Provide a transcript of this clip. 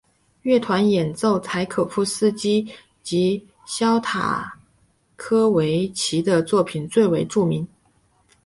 乐团演奏柴可夫斯基及肖斯塔科维奇的作品最为著名。